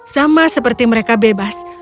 sama seperti mereka bebas